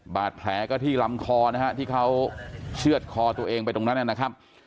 บาดแผลก็ที่ลำคอนะฮะที่เขาเชื่อดคอตัวเองไปตรงนั้นนะครับ